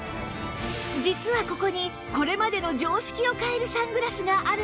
実はここにこれまでの常識を変えるサングラスがあるんです